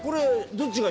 どっちが？